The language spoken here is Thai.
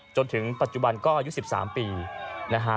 จนถึงปัจจุบันก็อายุ๑๓ปีนะฮะ